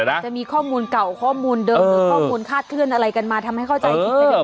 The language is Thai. จะมีข้อมูลเก่าข้อมูลเดิมหรือข้อมูลคาดเคลื่อนอะไรกันมาทำให้เข้าใจผิดไปด้วย